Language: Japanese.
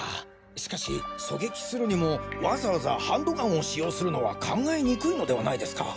しかし狙撃するにもわざわざハンドガンを使用するのは考えにくいのではないですか？